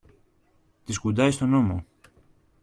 Τη σκουντάει στον ώμο